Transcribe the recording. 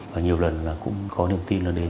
và nhiều lần là cũng có niềm tin là đến